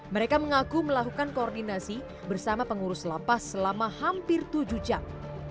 mereka mengaku melakukan koordinasi bersama pengurus lapas selama hampir tujuh jam